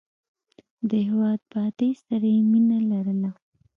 د هېواد بادۍ سره یې مینه لرله.